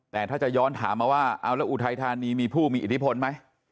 แต่ถ้าจะย้อนถามมาว่าเอาแล้วอุทัยธานีมีผู้มีอิทธิพลไหม